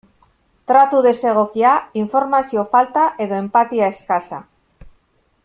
Tratu desegokia, informazio falta edo enpatia eskasa.